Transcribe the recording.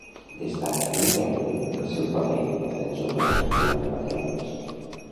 Destaca en teatre el seu paper a Els Joglars durant quatre anys.